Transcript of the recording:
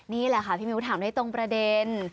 นี่แหละค่ะพี่มิ้วถามได้ตรงประเด็น